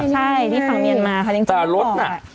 ใช่ที่สังเกตมาค่ะเรียกจริงพ่อ